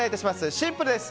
シンプルです。